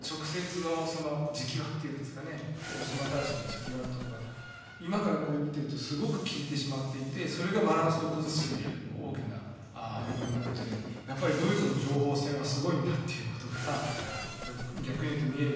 大島大使の直話っていうのが今からこれ見てるとすごく効いてしまっていてそれがバランスを崩してる大きな要因なのでやっぱりドイツの情報戦はすごいんだっていうことが逆に言うと見える。